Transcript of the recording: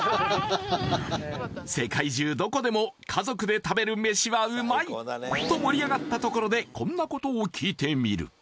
世界中どこでも家族で食べる飯はうまい！と盛り上がったところでこんなことを聞いてみる